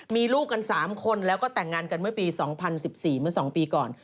มีลูกกัน๓คนแล้วก็แต่งงานกันเมื่อปี๒๐๑๔เมื่อ๒ปีก่อน